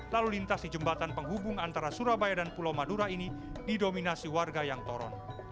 lalu lintas di jembatan penghubung antara surabaya dan pulau madura ini didominasi warga yang toron